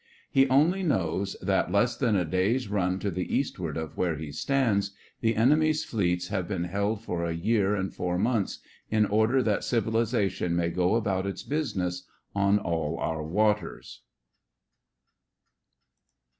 He only knows that less than a day's run to the eastward of where he stands, the enemy's fleets have been held for a year and four months, in order that civilization may go about its business on all our waters.